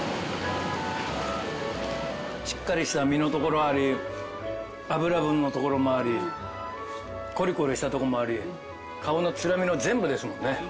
しっかりした身のところあり脂分のところもありコリコリしたとこもあり顔のツラミの全部ですもんね。